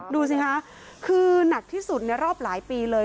ดูสิคะคือหนักที่สุดในรอบหลายปีเลย